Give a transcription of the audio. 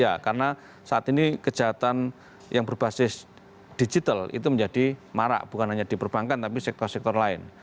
ya karena saat ini kejahatan yang berbasis digital itu menjadi marak bukan hanya di perbankan tapi sektor sektor lain